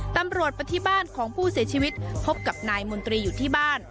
ตำรวจไปที่บ้านของผู้เสียชีวิตพบกับนายมนตรีอยู่ที่บ้าน